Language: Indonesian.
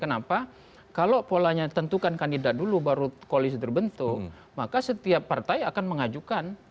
kenapa kalau polanya tentukan kandidat dulu baru koalisi terbentuk maka setiap partai akan mengajukan